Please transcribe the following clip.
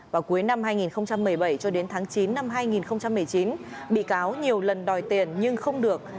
vào cuối năm hai nghìn một mươi bảy cho đến tháng chín năm hai nghìn một mươi chín bị cáo nhiều lần đòi tiền nhưng không được